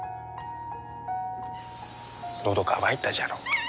のど渇いたじゃろ。